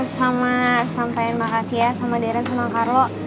sama sampaikan makasih ya sama deren sama karlo